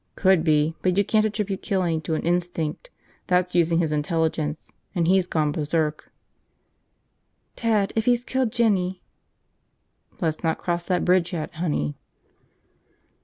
"Could be. But you can't attribute killing to an instinct. That's using his intelligence, and he's gone berserk." "Ted, if he's killed Jinny ..." "Let's not cross that bridge yet, honey."